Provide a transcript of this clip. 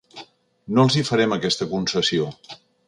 No els hi farem aquesta concessió.